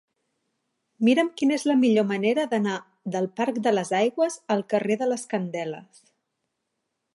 Mira'm quina és la millor manera d'anar del parc de les Aigües al carrer de les Candeles.